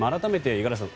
五十嵐さん